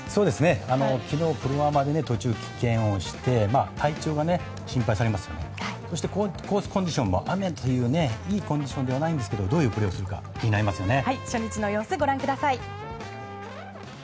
昨日、プロアマで途中で棄権をして体調が心配されますがそしてコースコンディションも雨といういいコンディションではないんですけどどういうプレーをするか気になりますね。